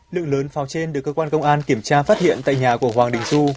lượng lớn pháo trên được cơ quan công an kiểm tra phát hiện tại nhà của hoàng đình du